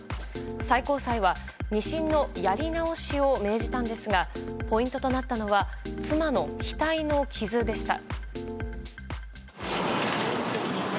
最高裁は２審のやり直しを命じたんですがポイントとなったのは妻の額の傷でした。